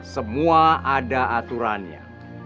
semua ada aturannya